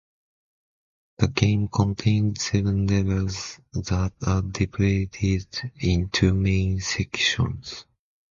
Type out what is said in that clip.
The game contains seven levels that are divided in two main sections.